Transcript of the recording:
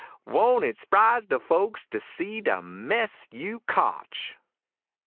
won't it s'prise de folks to see de mess you cotch!